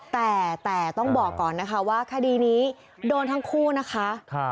แต่แต่ต้องบอกก่อนนะคะว่าคดีนี้โดนทั้งคู่นะคะ